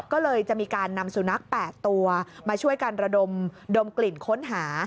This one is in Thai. ก็เลยจะมีการนำสุนัข๘ตัวมาช่วยกันระดมกลิ่นค้นหา